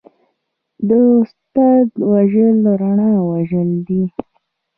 د استاد وژل رڼا وژل دي.